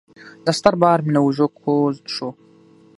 دا ستر بار مې له اوږو کوز شو.